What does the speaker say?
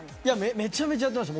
めちゃめちゃやっていました。